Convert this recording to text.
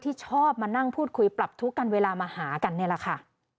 ที่ชอบมานั่งพูดคุยปรับทุกข์กันเวลามาหากันนี่แหละค่ะ